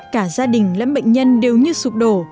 cả gia đình lẫn bệnh nhân đều như sụp đổ